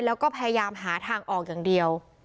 แล้วก็พยายามหาทางออกอย่างเดียว